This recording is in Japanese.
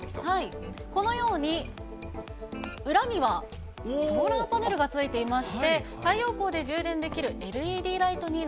このように、裏にはソーラーパネルがついていまして、太陽光で充電できるＬＥなるほど。